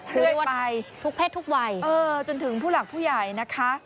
รวยไปทุกเพศทุกวัยจนถึงผู้หลักผู้ใหญ่นะคะ